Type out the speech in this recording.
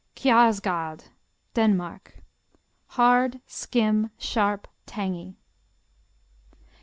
Kjarsgaard Denmark Hard; skim; sharp; tangy.